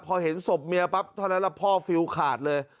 พอเห็นศพเมียปั๊บเท่านั้นแหละพ่อฟิลขาดเลย